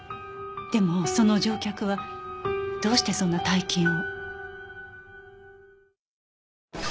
でもその乗客はどうしてそんな大金を？